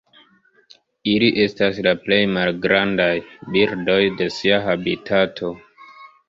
Ili estas la plej malgrandaj birdoj de sia habitato.